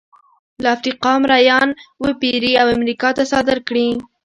له افریقا مریان وپېري او امریکا ته صادر کړي.